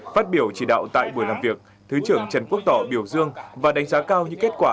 phát biểu chỉ đạo tại buổi làm việc thứ trưởng trần quốc tỏ biểu dương và đánh giá cao những kết quả